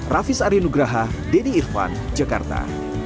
raffis arya nugraha denny irvan jakarta